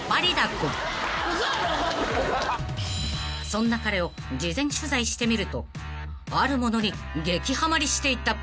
［そんな彼を事前取材してみるとあるものに激ハマりしていた］